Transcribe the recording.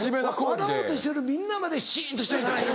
笑おうとしてるみんなまでシンとしてるな今。